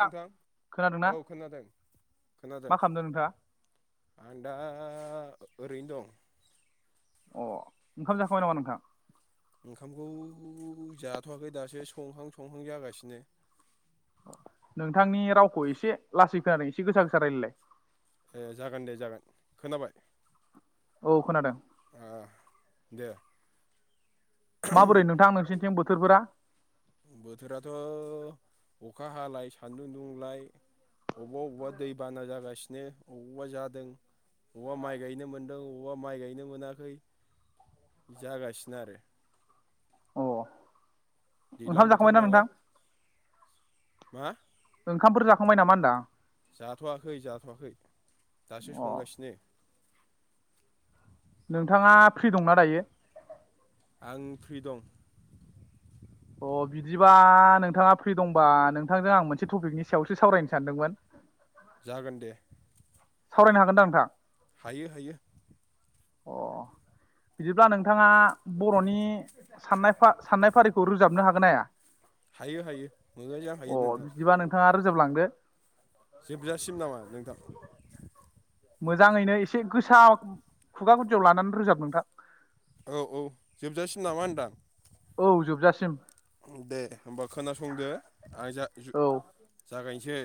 थां नोंथां खोनादोंना औ खोनादों-खोनादों मा खालामदों नोंथाङा आं दा ओरैनो दं। अ ओंखाम जाखांबाय नामा नोंथां। ओंखामखौ जाथवाखै दासो संहां-संहां जागासिनो। नोंथांनि रावखौ एसे लासै खोनादों एसे गोसा-गोसा रायलालाय। ए जागोन दे जागोन खोनाबाय। औ खोनादों ओ दे माबोरै नोंथां नोंसोरनिथिं बो बोथोरफोरा बोथोराथ अखा हालाय सान्दुं दुंलाय अबेबा-अबेबा दैबाना जागासिनो वबावबा जादों वबावबा माइ गायनो मोनदों वबावबा माइ गायनो मोनाखै जागासिनो आरो। औ दैज्लां बोथोर नालाय मा ओंखामफोर जाखांबाय नामा होनदां जाथवाखै जाथवाखै दासो अ संगासिनो नोंथांङा फ्रि दंना दायो आं फ्रि दं अ बिदिबा नोंथाङा फ्रि दंबा नोंथांजों आं मोनसे टपिकनि सायावसो सावरायनो सानदोंमोन जागोन दे सावरायनो हागोनदा नोंथां हायो हायो अ बिदिब्ला नोंथाङा बर'नि साननाय साननाय फारिखौ रोजाबनो हागोन हाया हायो हायो मोजांङै अ जाखायो नोंथां बिदिबा नोंथाङा रोजाबलांदो जोबजासिम नामा नोंथां मोजाङैनो एसे गोसा खुगा गुदियाव लानानै रोजाब नोंथां औ औ जोबजासिम नामा होनदां औ जोबजासिम दे होमबा खोनासंदो आं जा औ जागायनोसै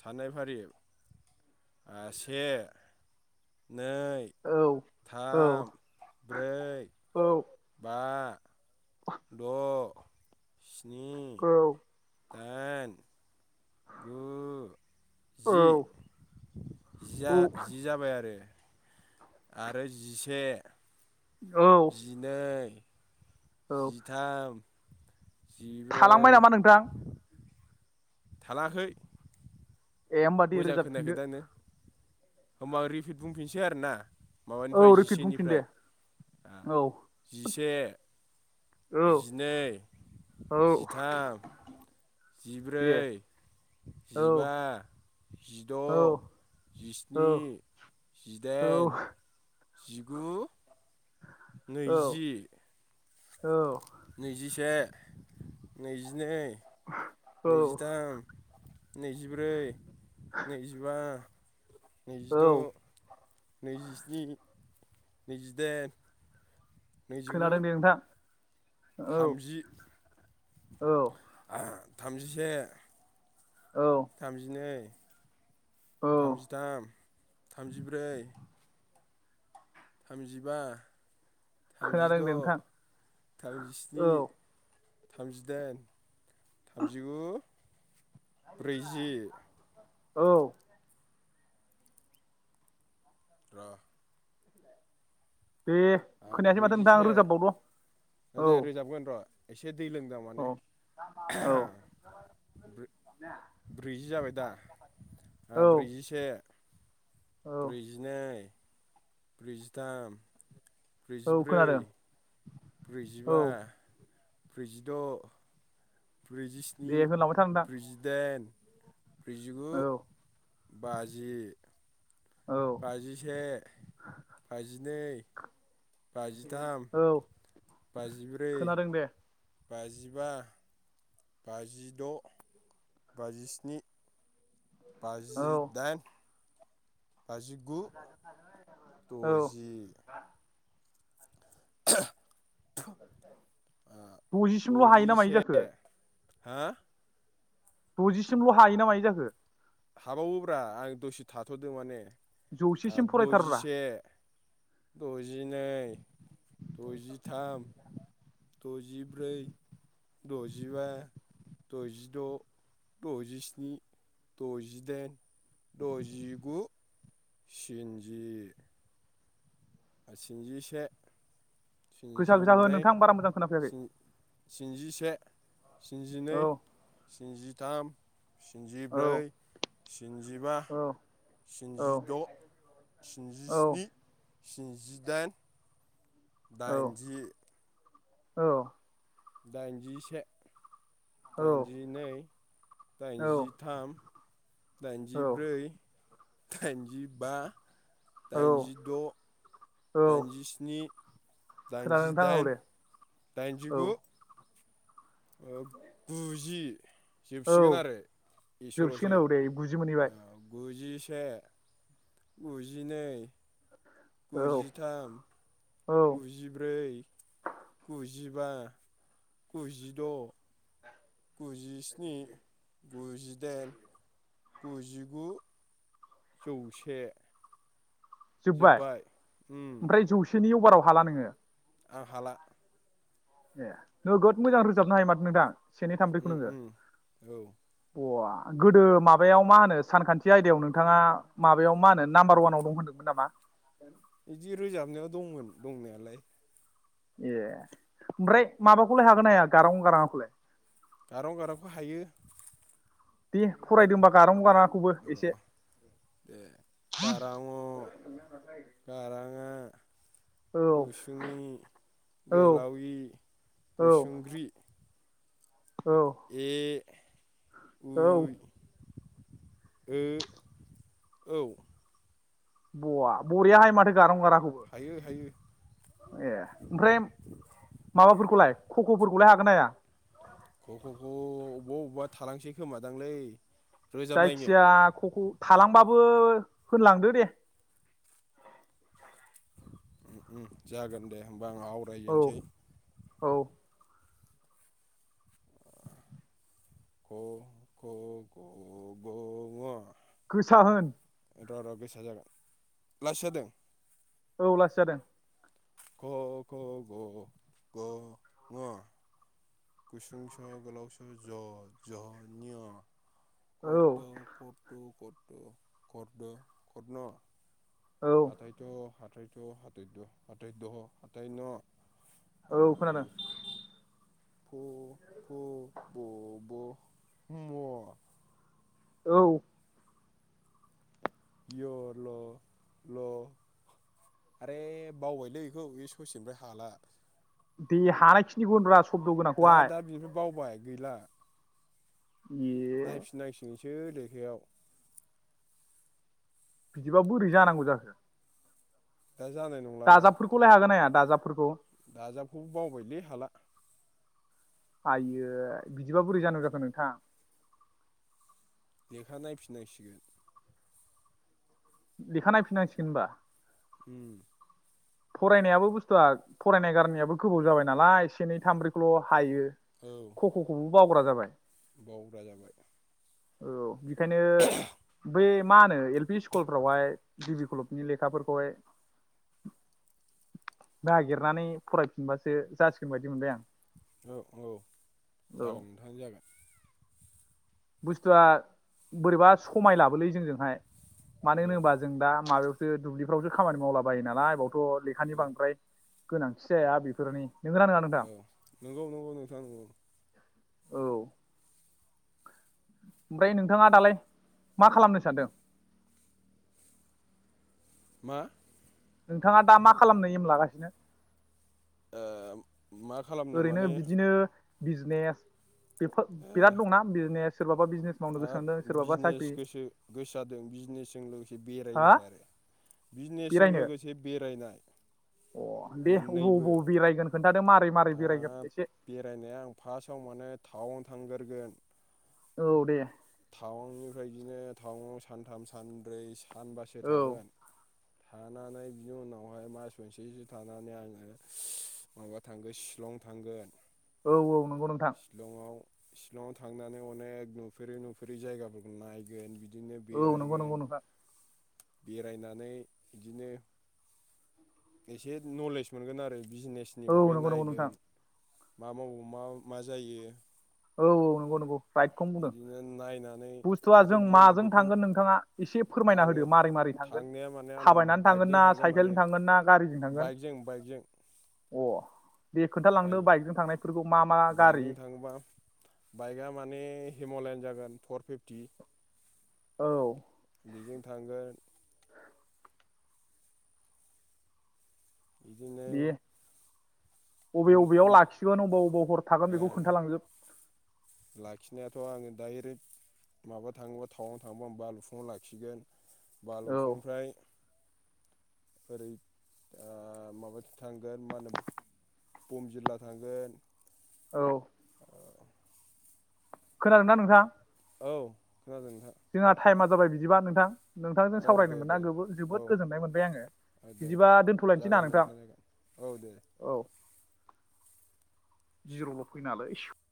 साननाय फारि ओ से नै, औ औ थाम, ब्रै, औ बा द स्नि औ दाइन गु जि औ औ जि जाबाय आरो आरो जिसे औ जिनै औ जिथाम थालांबाय जिब्रै नामा नोंथां थलांआखोय ए उमबा रोजाब फिनदो होमबा रिपिट बुंफिनसै आरोना माबानिफ्राय औ रिपिट बुंफिन दे जिसेनिफ्राय औ जिसे औ जिनै औ जिथाम दे जिब्रै औ जिबा जिद' औ औ जिस्नि जिदाइन जिगु औ नैजि। औ। नैजिसे नैजिनै। नैजिथाम। नैजिब्रै नैजिबा औ नैजिद' नैजिस्नि नैजिसे खोनादों दे नोंथां औ थामजि औ थामजिसे औ थामजिनै औ थामजिथाम थामजिब्रै थामजिबा खोनादों थामजिद' दे नोंथां थामजिस्नि औ थामजिदाइन थामजिगु ब्रैजि औ र' दे खोनायासै माथो नोंथां ब्रैजिसे रोजाबबावद' औ दे रोजाबगोन र' एसे दै लोंदों औ माने औ ब्रैजि जाबाय दा औ ब्रैजिसे औ ब्रैजिनै ब्रैजिथाम औ ब्रैजिब्रै खोनादों औ ब्रैजिबा ब्रैजिद' दे ब्रैजिस्नि होनलांबाय था नोंथां ब्रैजिदाइन ब्रैजिगु औ बाजि औ बाजिसे बाजिनै बाजिथाम औ बाजिब्रै खोनादों दे बाजिबा बाजिद' बाजिस्नि औ बाजिदाइन बाजिगु औ दजि [unintelligible] दजिसिमल' हायोना मायो द'जिसे जाखो हा द'जिसिमल' हायोना मायो जाखो हाबावोब्रा आं दसे थाथ'दो माने जौसेसिम फरायथारब्रा द'जिसे द'जिनै द'जिथाम द'जिब्रै द'जिबा द'जिद' द'जिस्नि द'जिदाइन द'जिगु स्निजि स्निजिसे गोसा स्निजि गोसा हो नै नोंथां बारा मोजां खोनाफैयाखै स्निजिसे स्निजिनै औ स्निजि थाम औ स्निजिब्रै स्निजिबा औ औ स्निजिद' औ स्निजिस्नि स्निजिदाइन औ दाइनजि औ दाइनजिसे औ दाइनजिनै औ दाइनजिथाम दाइनजिब्रै दाइनजिबा औ दाइनजि द' औ दाइनजिस्नि [unintelligible] खोनादों नोंथां औ दाइनजिदाइन दे दाइनजि औ गु गुजि औ जोबसिगोन आरो जोबसिगोन इसेल'सै औ दे गुजि मोनहैबाय गुजि से गुजिनै औ गुजिथाम औ गुजिब्रै गुजि बा गुजिद' गुजिस्नि गुजिदाइन गुजिगु जौसे। जोब्बाय उम ओमफ्राय जौसेनियाव बाराव हाला नोङो? आं हाला ए नोगोद मोजां रोजाबनो हायो माथो नोंथां। सेनि थाम ब्रैखौ उम नोङो उम औ बवा गोदो माबायाव मा होनो सानखान्थि आयदायाव नोंथाङा माबायाव मा होनो नाम्बार अवानाव दं होनदोंमोन नामा? बिदि रोजाबनायाव दंमोन दंनायालाय ए ओमफ्राय माबाखौलाय हागोन हाया गारांअ गाराङा खौलाय? गारांअ गारांआखौ हायो दे फरायदोंबा गारांअ गारांआ र' द गाराङ गाराङा औ गुसुंयि औ गोलावि औ गुसुंग्रि औ ए औ औ औ बवा बरिया हायो माथो गारांअआ हायो हायो ए ओमफ्राय माबाफोरखौलाय खख'फोरखौलाय हागोन ना हाया? ख' ख' खौ अबेबा अबेबा थालांसै खोमादांलै। रोजाबनायनो जायखिजया खख' थालांबाबो होनलांदो दे जागोन दे होमबा। होनबा आं औ आवरायजेनसै औ क ख' ग गं ङ गोसा होन र' र' गोसा जागोन लासै जादों। औ लासै जादों क ख ग घ ङ गुसुं स' गोलाव स' ज निय' औ करथु करथु खद खन औ हाथायथ' हाथाइस' हाथायथ' आथाय द आथाय न औ खोनादों। प फ ब भ म औ। य ल ल आरे बावबायलै इखौ बे ससेनिफ्राय हाला। दे हानायखिनिखौ होनब्रा। सब्द' दा गोनांखौहाय दा बिनिफ्राय बावबाय। गैला ए नायफिन नांसिगोनसो। सो लेखायाव। बिदिबा बोरै जानांगौ जाखो? दा जानाय नंलाना दाजाबफोरखौलाय हागोन ना हाया? दाजाबफोरखौ? दाजाबखौबो बावबायलै हाला। आयै बिदिबा बोरै जानांगौ जाखो नोंथां? लेखा नायफिन नांसिगोन। लेखा नायफिन नांसिगोन होनबा? उम। फरायनायाबो बुस्थुआ फरायनाय गारनायाबो गोबाव जाबाय नालाय से नै थाम ब्रै खौल' हायो। औ क ख खौ बावग्रा जाबाय। बावग्रा जाबाय। औ बेखायनो बै मा होनो एल पि स्कुलफ्रावहाय गिबि खलबनि लेखाफोरखौहाय नागिरनानै फरायफिनबासो जासिगोन बायदि मोनबाय आं। औ औ जागोन औ नोंथां जागोन बुस्थुआ बोरैबा समाय लाबोलै जोंजोंहाय। मानो औ होनोबा जों दा माबायाव जों दुब्लिफ्रावसो खामानि मावला बायो नालाय बावनो थ' लेखानि औ बांद्राय गोनांथि जाया बेफोरनि नंगौना नङा नोंथां औ नंगौ नंगौ नोंथां नंगौ। औ ओमफ्राय नोंथांङा दालाय मा खालामनो सानदों? मा? नोंथांङा दा मा खालामनो एम लागासिनो? ओ मा खालामनो ओरैनो माने बिदिनो बिजनेस बेफोर ओ बिराद दंना बिजनेस सोरबाबा बिजनेस मावनो गोसो हाब जादों सोरबाबा साख्रि बिजनेस गोसो गोसोजादों बिजनेसजों लोगोसे हा बेरायनाय आरो बिजनेसजों बेरायनो लोगोसे बेरायनाय अ दे अबाव मोननैबो। अबाव बेरायगोन खोन्थादो मारै मारै ओ बेरायगोन एसे बेरायनाया आं फार्स्टआव माने थाउन थांगोरगोन। औ दे। टाउननिफ्राय बिदिनो टाउनाव सानथाम सानब्रै सानबासो औ थागोन। थानानै बिनि उनावहाय मास मोनसेसो थानानै आङो माबा थांगोन शिलं थांगोन। औ औ नंगौ नोंथां। शिलंआव शिलंआव थांनानै अनेक नुफेरै नुफे फेरै जायगाफोरखौ नायगोन बि औ नंगौ नंगौ नोंथां। बेरायनानै इदिनो एसे नलेज मोनगोन आरो। बिजनेसनि औ बागै नंगौ नंगौ नोंथां नायगोन। मा मावो मा मा जायो औ औ नंगौ नंगौ। राइटखौनो बुंदों। बिदिनो नायनानै बुस्थुआ आरो जों बिनि उनाव माजों बेखौ थांगोन नोंथाङा एसे फोरमायना आङो होदो मारै मारै थांगोन थांनाया माने आंना थाबायनानै थांगोन बाइकजों ना माने साइकेलजों थांगोन ना गारिजों थांगोन। बाइकजों बाइकजों अ दे खोन्थालांदो बाइक बाइकजों थांनायफोरखौ मा मा गारि बाइकजों थाङोबा बाइकआ माने हिम'लयन जागोन फर फिफ्टि। औ। बेजों थांगोन। बिदिनो बबे बबेयाव लाखिगोन अबाव अबाव हर थागोन बेखौ ओ खोन्थालांजोब। लाखिनायाथ' आङो दाइरेक्ट माबा थाङोबा टाउनाव थाङोबा आं बालुफुङाव लाखिगोन। औ बालौफुंनिफ्राय ओरै ओ माबाथि थांगोन मा होनो बम जिल्ला थांगोन। औ। खोनादों ना नोंथां? औ खोनादों नोंथां। जोंहा टाइमा जाबाय बिदिबा नोंथां। नोंथांजों औ सावरायनो दे मोना दे गोबो औ जोबोद गोजोननाय मोनबाय आङो। दे बिदिबा दोन्थलायनोसै ना जागोन नोंथां? जागोन औ दे औ। जिर'ल' फैनालै इसर